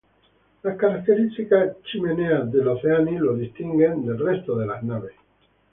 Las características chimeneas del "Oceanic" lo distinguen del resto de naves.